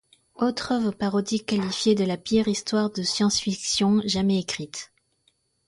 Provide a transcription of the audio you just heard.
Autre œuvre parodique qualifiée de la pire histoire de science fiction jamais écrite…